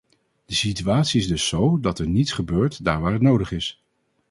De situatie is dus zo dat er niets gebeurt daar waar het nodig is.